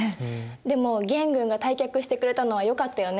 でも元軍が退却してくれたのはよかったよね。